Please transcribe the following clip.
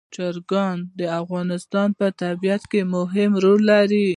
چرګان د افغانستان په طبیعت کې مهم رول لري.